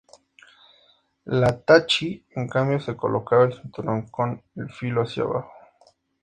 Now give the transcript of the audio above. La "tachi", en cambio, se colocaba en el cinturón con el filo hacia abajo.